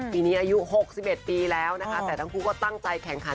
ปีนี้อายุ๖๑ปีแล้วนะคะแต่ทั้งคู่ก็ตั้งใจแข่งขัน